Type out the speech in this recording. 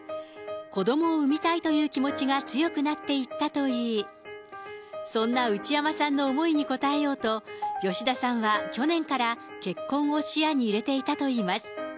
子どもを産みたいという気持ちが強くなっていったといい、そんな内山さんの思いに応えようと、吉田さんは去年から結婚を視野に入れていたといいます。